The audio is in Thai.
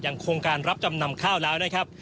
โครงการรับจำนำข้าวแล้วนะครับ